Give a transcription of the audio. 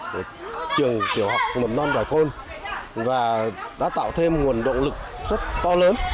của trường kiểu học mầm non đoài côn và đã tạo thêm nguồn động lực rất to lớn